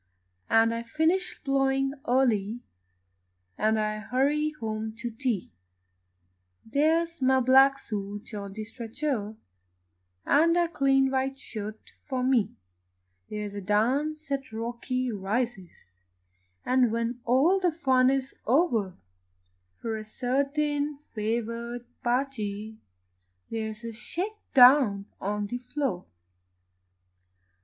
And I finish ploughing early, And I hurry home to tea There's my black suit on the stretcher, And a clean white shirt for me; There's a dance at Rocky Rises, And, when all the fun is o'er, For a certain favoured party There's a shake down on the floor.